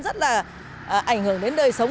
rất là ảnh hưởng đến đời sống